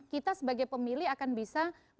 kita sebagai pemilih akan bisa